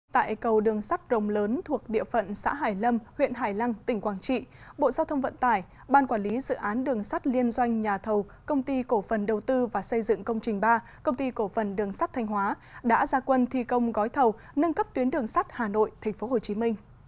tại cầu đường sắt rồng lớn thuộc địa phận xã hải lâm huyện hải lăng tỉnh quảng trị bộ giao thông vận tải ban quản lý dự án đường sắt liên doanh nhà thầu công ty cổ phần đầu tư và xây dựng công trình ba công ty cổ phần đường sắt thanh hóa đã ra quân thi công gói thầu nâng cấp tuyến đường sắt hà nội tp hcm